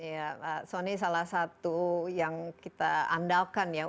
ya pak soni salah satu yang kita andalkan ya